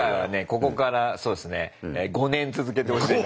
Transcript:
ここからそうですね５年続けてほしいなと。